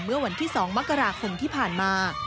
เมื่อวันที่๒มกราคมที่ผ่านมา